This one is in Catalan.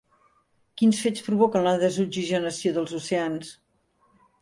Quins fets provoquen la desoxigenació dels oceans?